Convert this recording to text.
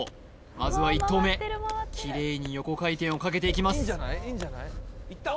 まずは１投目キレイに横回転をかけていきます